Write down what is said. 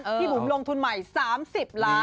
บุ๋มลงทุนใหม่๓๐ล้าน